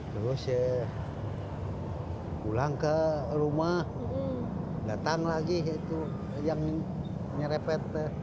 terus pulang ke rumah datang lagi yang nyerepet